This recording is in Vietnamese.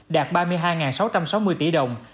đạt ba mươi hai sáu trăm sáu mươi tỷ đồng